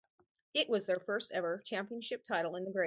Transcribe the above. It was their first ever championship title in the grade.